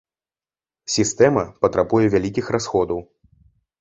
Сістэма патрабуе вялікіх расходаў.